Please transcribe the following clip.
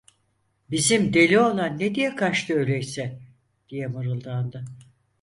"Bizim deli oğlan ne diye kaçtı öyleyse?" diye mırıldandı.